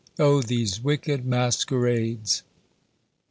O these wicked masquerades!